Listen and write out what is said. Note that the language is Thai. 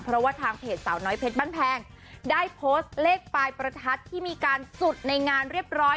เพราะว่าทางเพจสาวน้อยเพชรบ้านแพงได้โพสต์เลขปลายประทัดที่มีการจุดในงานเรียบร้อย